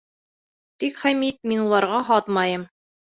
Тик, Хәмит, мин уларға һатмайым.